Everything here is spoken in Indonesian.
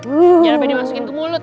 jangan sampai dimasukin ke mulut